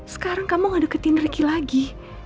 sekarang kamu gak deketin ricky lagi